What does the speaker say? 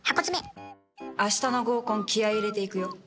明日の合コン気合入れて行くよ。